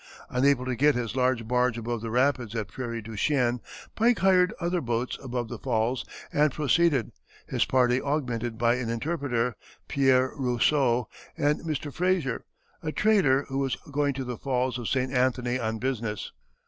Unable to get his large barge above the rapids at Prairie du Chien, Pike hired other boats above the falls and proceeded, his party augmented by an interpreter, Pierre Roseau, and Mr. Fraser, a trader who was going to the Falls of St. Anthony on business.